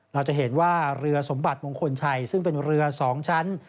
เราจะเห็นว่าเรือสมบัติมงคลชัยซึ่งเป็นเรือ๒ชั้น